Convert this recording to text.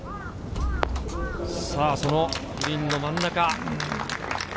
そのグリーンの真ん中。